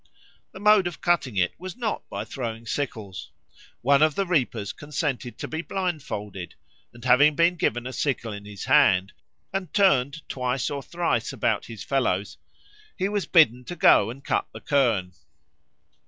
The mode of cutting it was not by throwing sickles. One of the reapers consented to be blindfolded, and having been given a sickle in his hand and turned twice or thrice about by his fellows, he was bidden to go and cut the kirn.